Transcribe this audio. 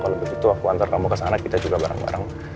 kalo begitu aku antar kamu kesana kita juga bareng bareng